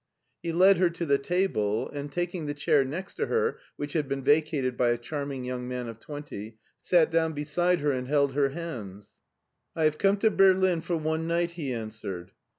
'* He led her to the table, and taking the chair next to her, which had been vacated by a charming young man of twenty, sat down beside her and held her hands. I have come to Berlin for one night," he answered.